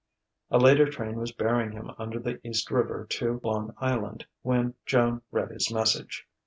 A later train was bearing him under the East River to Long Island when Joan read his message.